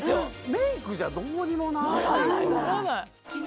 メイクじゃどうにもならない